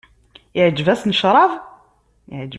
Iεǧeb-asen ccrab?